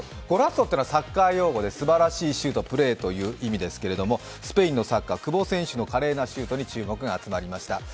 ゴラッソというのはサッカー用語ですばらしいシュート、プレーという意味ですけれどもスペインのサッカー、久保選手の華麗なプレーに注目が集まりました。